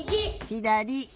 ひだり！